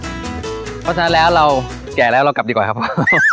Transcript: เพราะฉะนั้นแล้วเราแก่แล้วเรากลับดีกว่าครับผม